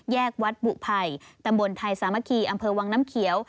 วัดบุภัยตำบลไทยสามัคคีอำเภอวังน้ำเขียว